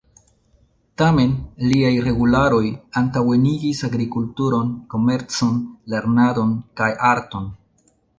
Tamen liaj regularoj antaŭenigis agrikulturon, komercon, lernadon kaj arton.